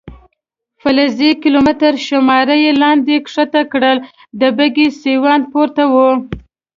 فلزي کیلومتر شمار یې لاندې کښته کړ، د بګۍ سیوان پورته و.